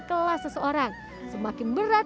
kelas seseorang semakin berat